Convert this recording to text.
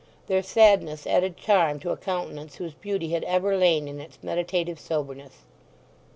Their sadness added charm to a countenance whose beauty had ever lain in its meditative soberness.